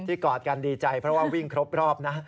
กอดกันดีใจเพราะว่าวิ่งครบรอบนะ